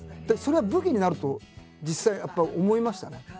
でもそれは武器になると実際やっぱ思いましたね。